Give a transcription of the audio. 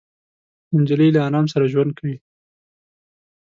نجلۍ له ارام سره ژوند کوي.